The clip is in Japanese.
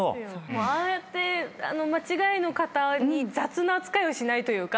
ああやって間違いの方に雑な扱いをしないというか。